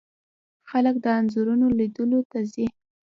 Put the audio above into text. خلک د انځورونو لیدلو ته ځي.